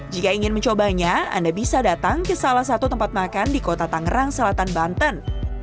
jika ingin mencobanya anda bisa datang ke salah satu tempat makan di kota tangerang selatan banten